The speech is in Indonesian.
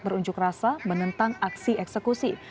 berunjuk rasa menentang aksi eksekusi